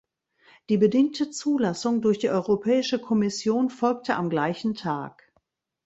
Die bedingte Zulassung durch die Europäische Kommission folgte am gleichen Tag.